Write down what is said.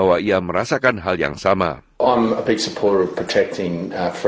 kami adalah sokongan yang besar untuk melindungi kebebasan berbicara